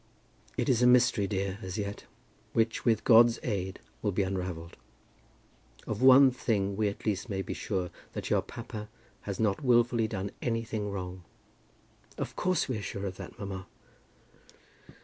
"It is a mystery, dear, as yet, which, with God's aid, will be unravelled. Of one thing we at least may be sure; that your papa has not wilfully done anything wrong." "Of course we are sure of that, mamma."